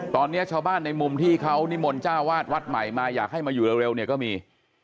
ตอนนี้ชาวบ้านในมุมที่เขานิมนต์เจ้าวาดวัดใหม่มาอยากให้มาอยู่เร็วเนี่ยก็มี